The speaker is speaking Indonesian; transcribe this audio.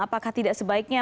apakah tidak sebaiknya